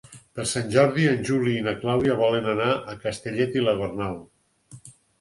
Per Sant Jordi en Juli i na Clàudia volen anar a Castellet i la Gornal.